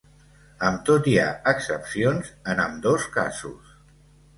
Amb tot, hi ha excepcions en ambdós casos.